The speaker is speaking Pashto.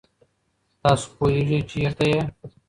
تاسو پوهېږئ چېرته یئ؟